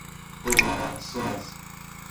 عبارت ساز